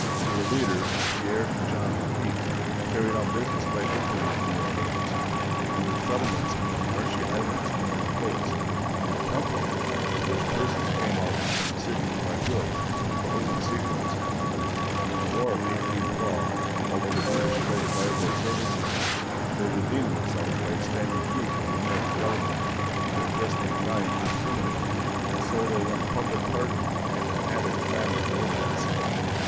Their leaders, Pierre and John Lafitte, carried on business quite openly in New Orleans; and their settlements on the marshy islands along the coast, and their "temple," to which persons came out from the city to buy goods, were open secrets. But in the War of 1812, although the British tried to buy their services, they redeemed themselves by standing true to the American government, which had just been trying to exterminate them, and so they won public pardon and an added glamour of romance.